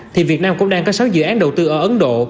thì việt nam cũng đang có sáu dự án đầu tư ở ấn độ